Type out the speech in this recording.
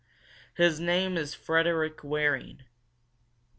His name is Frederick Waring.